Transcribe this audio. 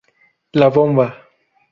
La bomba.